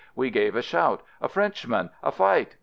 We gave a shout, "A Frenchman! A fight!